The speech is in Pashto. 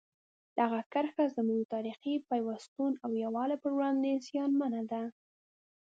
دغه کرښه زموږ د تاریخي پیوستون او یووالي په وړاندې زیانمنه ده.